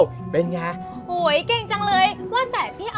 เป็นไงโหยเก่งจังเลยว่าแต่พี่เอา